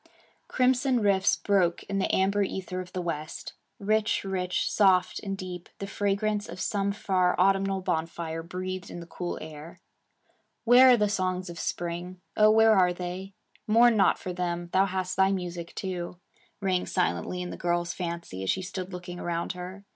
Crimson rifts broke in the amber ether of the west. Rich, rich, soft, and deep, the fragrance of some far autumnal bonfire breathed in the cool air. 'Where are the songs of spring? oh, where are they? Mourn not for them, thou hast thy music, too,' rang silently in the girl's fancy as she stood looking around her.